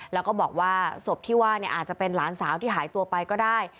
แล้วก็บอกว่าศพที่ว่าอาจจะเป็นหลานสาวที่หายตัวไปก็ได้